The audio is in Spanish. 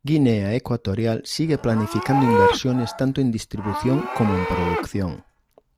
Guinea Ecuatorial sigue planificando inversiones tanto en distribución como en producción.